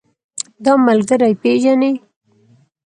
دا ملګری پيژنې؟